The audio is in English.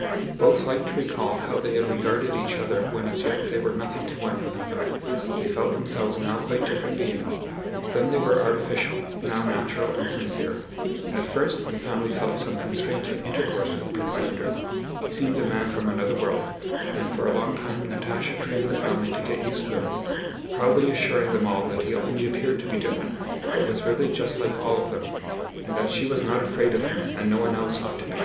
Both liked to recall how they had regarded each other when as yet they were nothing to one another; they felt themselves now quite different beings: then they were artificial, now natural and sincere. At first the family felt some constraint in intercourse with Prince Andrew; he seemed a man from another world, and for a long time Natásha trained the family to get used to him, proudly assuring them all that he only appeared to be different, but was really just like all of them, and that she was not afraid of him and no one else ought to be.